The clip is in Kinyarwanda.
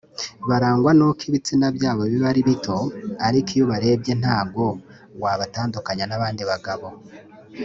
barangwa n’uko ibitsina byabo biba ari bito ariko iyo ubarebye ntago wabatandukanya n’abandi bagabo